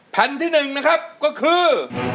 แผ่นที่๑นะครับก็คือ